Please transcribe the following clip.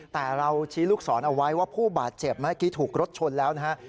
แต่เราชี้ลูกศรเอาไว้ว่าผู้บาดเจ็บเมื่อกี้ถูกรถชนแล้วนะฮะ